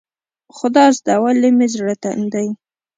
خدازده ولې مې زړه تنګ دی.